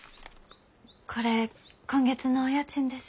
これ今月のお家賃です。